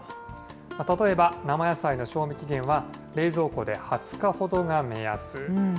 例えば生野菜の賞味期限は、冷蔵庫で２０日ほどが目安。